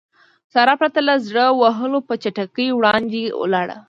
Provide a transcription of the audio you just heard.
سارا پرته له زړه وهلو په چټکۍ وړاندې ولاړه.